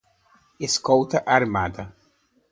Escolta armada